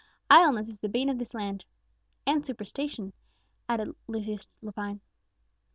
Idleness is the bane of this land." "And superstition," added Lucius Lepine.